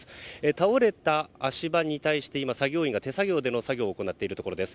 倒れた足場に対して今、作業員が手作業での作業を行っているところです。